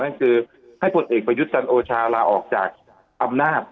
นั่นคือให้ผลเอกประยุทธ์จันโอชาลาออกจากอำนาจ